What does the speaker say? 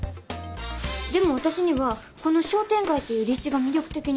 でも私にはこの商店街っていう立地が魅力的に思えて。